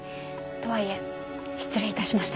とはいえ失礼いたしました。